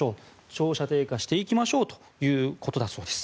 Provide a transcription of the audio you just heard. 長射程化していきましょうということだそうです。